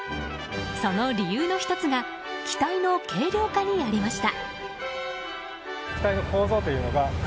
その理由の１つが機体の軽量化にありました。